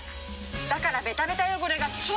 だからベタベタ汚れが超取れる。